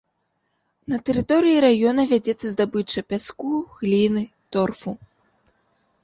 На тэрыторыі раёна вядзецца здабыча пяску, гліны, торфу.